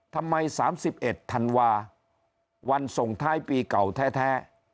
ทำไม๓๑ธันวาวันส่งท้ายปีเก่าแท้